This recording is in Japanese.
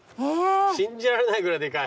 信じられないぐらいでかい。